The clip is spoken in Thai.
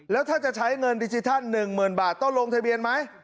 แล้วถ้าจะใช้เงินดิจิทัล๑๐๐๐บาทต้องลงทะเบียนไหม